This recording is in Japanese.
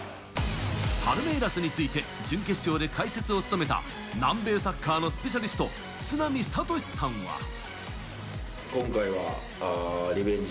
パルメイラスについて、準決勝で解説を務めた南米サッカーのスペシャリスト・都並敏史さんは。